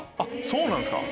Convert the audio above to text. そうなんですか！